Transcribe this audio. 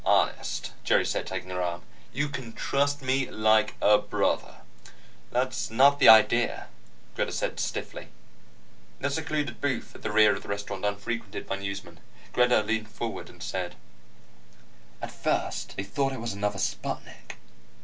"Honey," Jerry said, taking her arm, "you can trust me like a brother." "That's not the idea," Greta said stiffly. In a secluded booth at the rear of a restaurant unfrequented by newsmen, Greta leaned forward and said: "At first, they thought it was another sputnik."